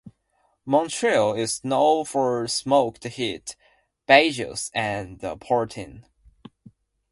Montreal is known for smoked meat, bagels, and poutine.